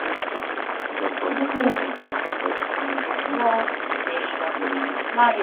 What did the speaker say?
That was the first multiple-camera concert films made in Russia.